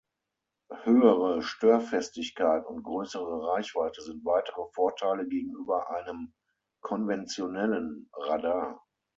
Höhere Störfestigkeit und größere Reichweite sind weitere Vorteile gegenüber einem konventionellen Radar.